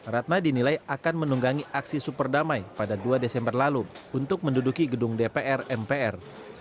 ratna dinilai akan menunggangi aksi superdamai pada dua desember lalu untuk menduduki gedung dpr mpr